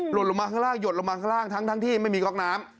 ลงมาข้างล่างหยดลงมาข้างล่างทั้งที่ไม่มีก๊อกน้ำ